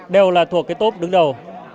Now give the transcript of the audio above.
đều là thuộc cái tốt đứng đầu